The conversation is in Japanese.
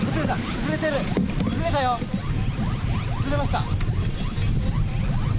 崩れました。